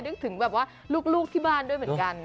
นึกถึงแบบว่าลูกที่บ้านด้วยเหมือนกัน